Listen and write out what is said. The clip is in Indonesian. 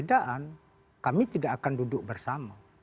perbedaan kami tidak akan duduk bersama